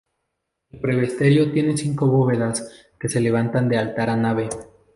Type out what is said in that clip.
El presbiterio tiene cinco bóvedas, que se levantan de altar a nave.